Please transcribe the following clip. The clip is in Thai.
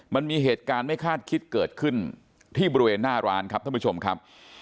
มันมีเหตุการณ์ไม่คาดคิดเกิดขึ้นที่บริเวณหน้าร้านครับท่านผู้ชมครับ